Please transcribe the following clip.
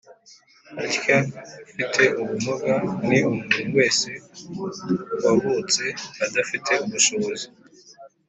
atya:"ufite ubumuga ni umuntu wese wavutse adafite ubushobozi